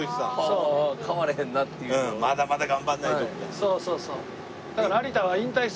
そうそうそう。